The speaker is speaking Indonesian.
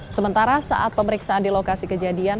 sementara saat pemeriksaan di lokasi kejadian